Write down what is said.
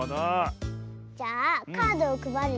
じゃあカードをくばるよ。